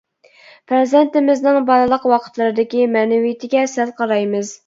پەرزەنتىمىزنىڭ بالىلىق ۋاقىتلىرىدىكى مەنىۋىيىتىگە سەل قارايمىز.